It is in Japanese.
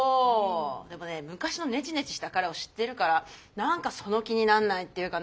でもね昔のネチネチした彼を知ってるから何かその気になんないっていうかね。